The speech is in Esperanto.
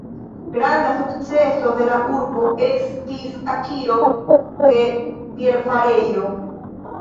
Granda sukceso de la urbo estis akiro de bierfarejo.